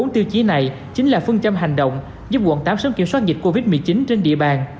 bốn tiêu chí này chính là phương châm hành động giúp quận tám sớm kiểm soát dịch covid một mươi chín trên địa bàn